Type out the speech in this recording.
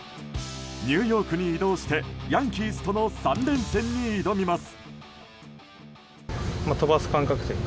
ニューヨークに移動してヤンキースとの３連戦に挑みます。